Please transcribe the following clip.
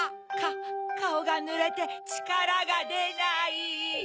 カオがぬれてちからがでない。